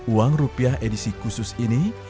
uang rupiah edisi khusus ini